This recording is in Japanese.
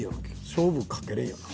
勝負かけれんよな。